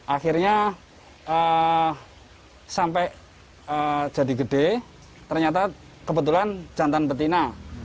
akhirnya sampai jadi gede ternyata kebetulan jantan betina